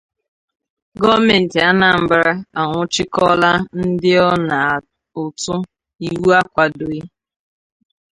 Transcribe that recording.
Gọọmenti Anambra Anwụchikọọla Ndị Ọna Ụtụ Iwu Akwadòghị